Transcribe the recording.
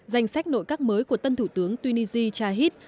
danh sách nội các mới của tân thủ tướng tunisia chahid